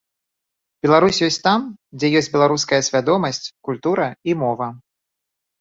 Беларусь ёсць там, дзе ёсць беларуская свядомасць, культура і мова.